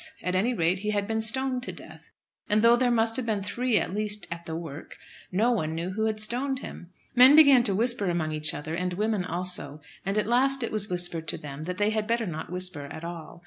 At any rate he had been stoned to death, and though there must have been three at least at the work, no one knew who had stoned him. Men began to whisper among each other, and women also, and at last it was whispered to them that they had better not whisper at all.